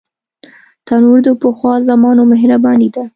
تنور د پخوا زمانو مهرباني ده